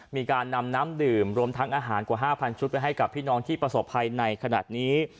มีการนำน้ำดื่มรวมทั้งอาหารกว่า๕๐๐ชุดไปให้กับพี่น้องที่ประสบภัยในขณะนี้